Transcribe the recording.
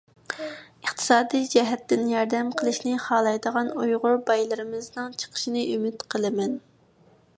ئىقتىسادىي جەھەتتىن ياردەم قىلىشنى خالايدىغان ئۇيغۇر بايلىرىمىزنىڭ چىقىشىنى ئۈمىد قىلىمەن.